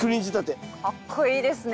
かっこいいですねえ。